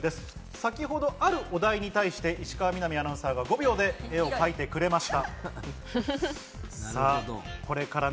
先ほど、あるお題に対して石川みなみアナウンサーが５秒で絵を描いてくれました。